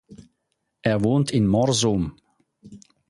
Er wohnt in Morsum.